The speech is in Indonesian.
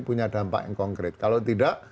punya dampak yang konkret kalau tidak